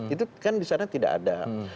itu kan disana tidak ada